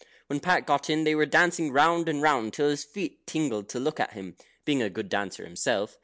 When Pat got in they were dancing round and round till his feet tingled to look at them, being a good dancer himself.